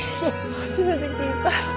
初めて聞いた。